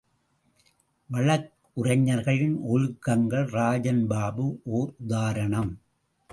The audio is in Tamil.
வழக்குரைஞர்களின் ஒழுக்கங்கள் ராஜன் பாபு ஓர் உதாரணம்!